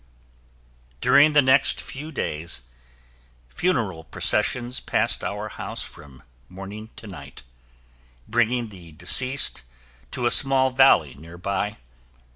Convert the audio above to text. During the next few days, funeral processions passed our house from morning to night, bringing the deceased to a small valley nearby.